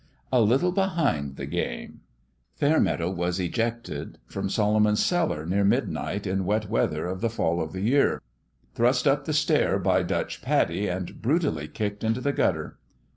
" A little behind the game." Fairmeadow was ejected from Solomon's Cellar near midnight in wet weather of the fall of the year thrust up the stair by Dutch Paddy and brutally kicked into the gutter.